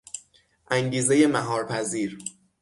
انگیزهی مهار پذیر